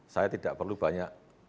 saya tidak perlu banyak